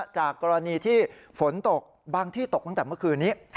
จากกรณีที่ฝนตกบางที่ตกตั้งแต่เมื่อคืนนี้